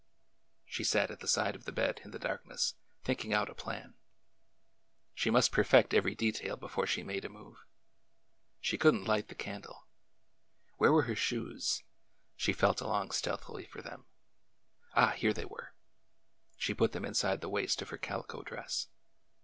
She sat at the side of the bed in the darkness, thinking out a plan. She must perfect every detail before she made a move. She could n't light the candle. Where were her shoes ? She felt along stealthily for them. Ah ! here they were. She put them inside the waist of her calico dress.